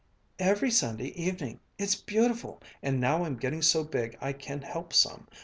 " every Sunday evening it's beautiful, and now I'm getting so big I can help some.